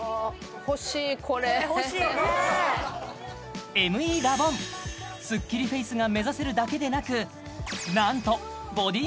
欲しいこれＭＥラボンスッキリフェイスが目指せるだけでなく何とＢＯＤＹモードも搭載